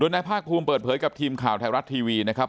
นายภาคภูมิเปิดเผยกับทีมข่าวไทยรัฐทีวีนะครับ